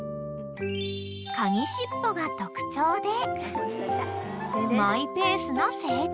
［鍵しっぽが特徴でマイペースな性格］